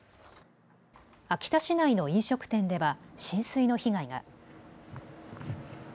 秋田市内の飲食店では浸水の被害が。